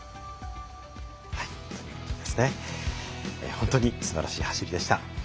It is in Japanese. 本当にすばらしい走りでした。